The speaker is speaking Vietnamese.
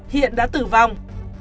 hiện đã tử vong